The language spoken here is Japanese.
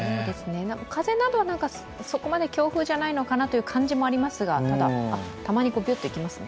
風などはそこまで強風じゃないのかなという感じがありますが、ただ、たまにびゅっときますね。